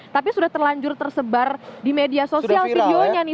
tapi sudah terlanjur tersebar di media sosial videonya nih